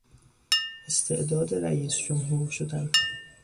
استعداد رییس جمهور شدن